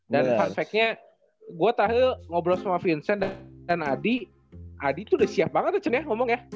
dan fun factnya gua tadi ngobrol sama vincent dan adi adi tuh udah siap banget ya cen ya ngomong ya